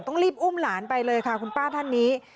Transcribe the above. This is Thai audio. ต้องรีบอุ้มหลานไปเลยค่ะคุณป้าท่านนี้